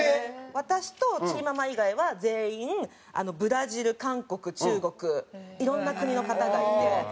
私とチーママ以外は全員ブラジル韓国中国いろんな国の方がいて。